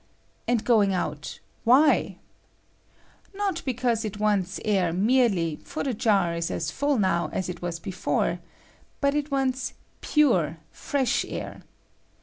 And going out, why ? Not because it wants air merely, for the jar is as full now as it was before ; but it wants pure, fresh air.